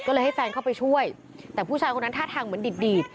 ก็เลยให้แฟนเข้าไปช่วยแต่ผู้ชายคนนั้นท่าทางเหมือนดีดดีด